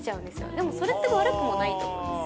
でもそれって悪くもないと思うんです。